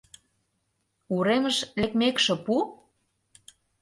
— Уремыш лекмекше пу.